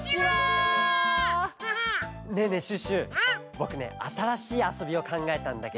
ぼくねあたらしいあそびをかんがえたんだけど。